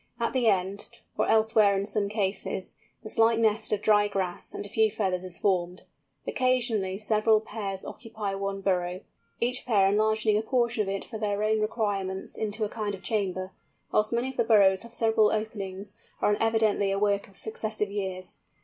At the end, or elsewhere in some cases, the slight nest of dry grass and a few feathers is formed. Occasionally several pairs occupy one burrow, each pair enlarging a portion of it for their own requirements into a kind of chamber; whilst many of the burrows have several openings, and are evidently the work of successive years.